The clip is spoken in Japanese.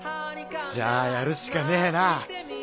じゃあやるしかねえなぁ。